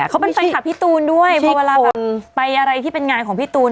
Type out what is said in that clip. เขาเป็นแฟนคลับพี่ตูนด้วยพอเวลาแบบไปอะไรที่เป็นงานของพี่ตูน